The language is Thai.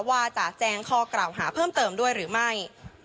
ว่าจะแจ้งข้อกล่าวหาเพิ่มเติมด้วยหรือไม่